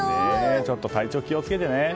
ちょっと、体調気を付けてね。